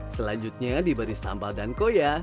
selanjutnya diberi sambal dan koya